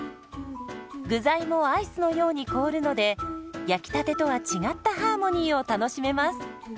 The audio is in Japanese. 具材もアイスのように凍るので焼きたてとは違ったハーモニーを楽しめます。